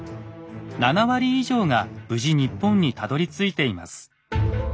７割以上が無事日本にたどりついています。